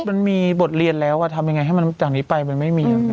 มันมีบทเรียนแล้วทำยังไงให้มันจากนี้ไปมันไม่มี